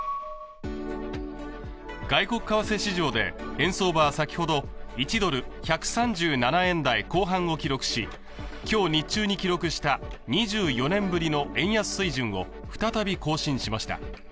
外国為替市場で円相場は先ほど１ドル＝１３７円台後半を記録し今日日中に記録した２４年ぶりの円安水準を再び更新しました。